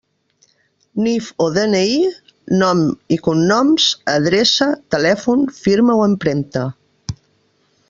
NIF o DNI, nom i cognoms, adreça, telèfon, firma o empremta.